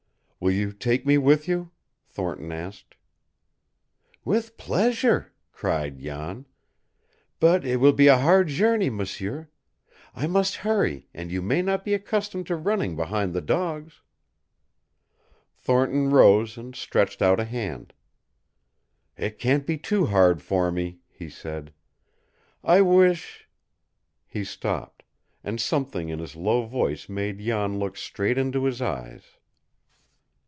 "Will you take me with you?" Thornton asked. "With pleasure!" cried Jan. "But it will be a hard journey, m'sieur. I must hurry, and you may not be accustomed to running behind the dogs." Thornton rose and stretched out a hand. "It can't be too hard for me," he said. "I wish " He stopped, and something in his low voice made Jan look straight into his eyes.